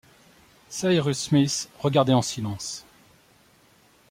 Cyrus Smith regardait en silence.